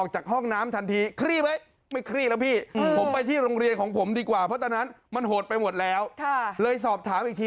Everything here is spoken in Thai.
ใช้ภาษาเลยซ่ำอะไรก็แล้วแต่